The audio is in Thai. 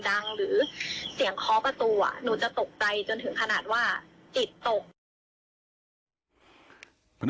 หรือเสียงเคาะประตูอ่ะหนูจะตกใจจนถึงขนาดว่าจิตตก